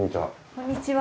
こんにちは。